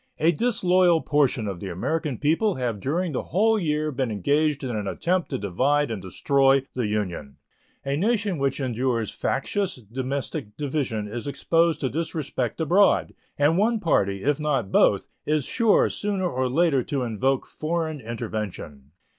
A disloyal portion of the American people have during the whole year been engaged in an attempt to divide and destroy the Union. A nation which endures factious domestic division is exposed to disrespect abroad, and one party, if not both, is sure sooner or later to invoke foreign intervention.